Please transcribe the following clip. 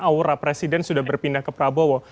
aura presiden sudah berpindah ke prabowo